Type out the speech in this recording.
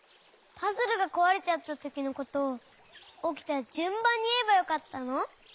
パズルがこわれちゃったときのことをおきたじゅんばんにいえばよかったの？